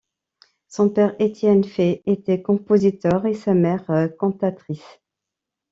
Son père Étienne Fay était compositeur et sa mère cantatrice.